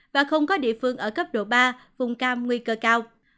và không có địa phương ở cấp độ ba vùng cam nguy cơ cao